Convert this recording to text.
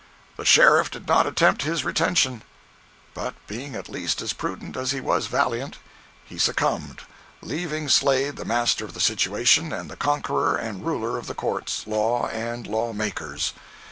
The sheriff did not attempt his retention; but being at least as prudent as he was valiant, he succumbed, leaving Slade the master of the situation and the conqueror and ruler of the courts, law and law makers.